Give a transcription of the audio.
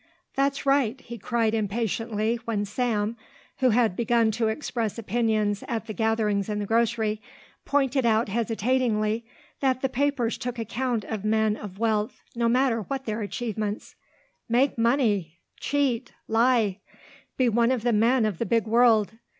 "That's right," he cried impatiently when Sam, who had begun to express opinions at the gatherings in the grocery, pointed out hesitatingly that the papers took account of men of wealth no matter what their achievements, "Make money! Cheat! Lie! Be one of the men of the big world!